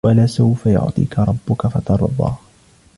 ولسوف يعطيك ربك فترضى